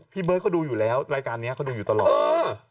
พี่เบิร์ดก็ดูอยู่แล้วรายการนี้ก็ดูอยู่ตลอด